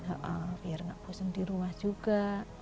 ya biar nggak bosan di rumah juga